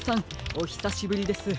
おひさしぶりです。